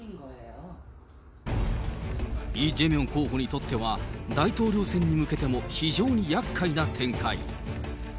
イ・ジェミョン候補にとっては大統領選に向けても非常にやっかいな展開。